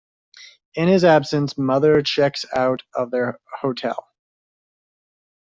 In his absence Mother checks out of their hotel.